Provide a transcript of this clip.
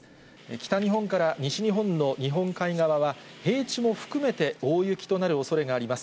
北日本から西日本の日本海側は、平地も含めて大雪となるおそれがあります。